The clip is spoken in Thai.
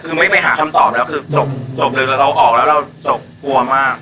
คือไม่ไปหาคำตอบแล้วคือจบเลยเราออกแล้วเราจบกลัวมาก